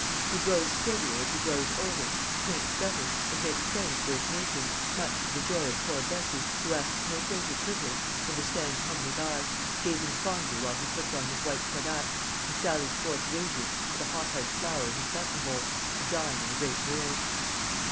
He grows steadier as he grows older, paints better, and makes friends worth making; much to the joy of poor Bessie, who asks no greater privilege than to stand humbly by, gazing fondly while he puts on his white cravat, and sallies forth radiant, with a hot house flower in his button hole, to dine in the great world.